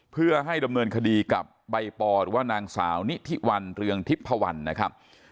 เพื่อให้ดำเนินคดีกับใบปอหรือว่านางสาวนิทิวันเรืองทิพพวันนะครับ